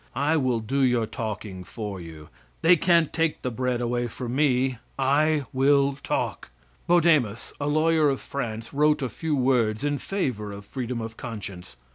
I will do your talking for you. They can't take the bread away from me. I will talk. Bodemus, a lawyer of France, wrote a few words in favor of freedom of conscience.